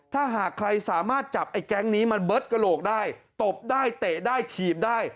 ถ้าหากใครสามารถจับไอ้แก๊งนี้มันเบิร์ดกระโหลกได้ตบได้เตะได้ถีบได้